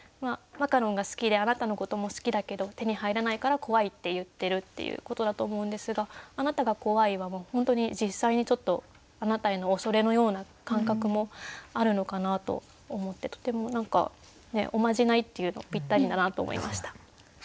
マカロンが好きであなたのことも好きだけど手に入らないから怖いって言ってるっていうことだと思うんですが「あなたが怖い」は本当に実際にちょっと「あなた」への恐れのような感覚もあるのかなと思ってとてもおまじないっていうのぴったりだなと思いました。